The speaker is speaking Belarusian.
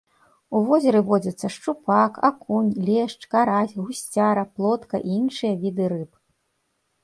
У возеры водзяцца шчупак, акунь, лешч, карась, гусцяра, плотка і іншыя віды рыб.